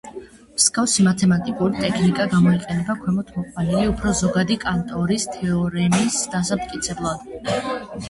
მსგავსი მათემატიკური ტექნიკა გამოიყენება ქვემოთ მოყვანილი უფრო ზოგადი კანტორის თეორემის დასამტკიცებლად.